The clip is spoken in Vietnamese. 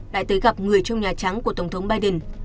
đã tới gặp người trong nhà trắng của tổng thống biden